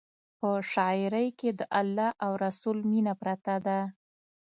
په شاعرۍ کې د الله او رسول مینه پرته ده.